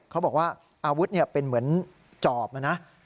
เขาบอกว่าอาวุธเป็นเหมือนจอบนะนะ